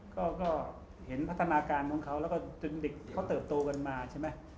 ก็เห็นพัฒนาการของเขาแล้วก็จนเด็กเขาเติบโตกันมาใช่ไหม